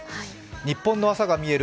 「ニッポンの朝がみえる！